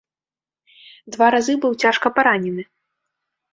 Два разы быў цяжка паранены.